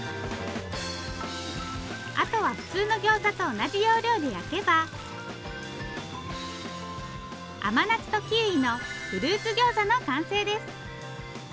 あとは普通のギョーザと同じ要領で焼けば甘夏とキウイのフルーツギョーザの完成です。